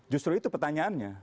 justru itu pertanyaannya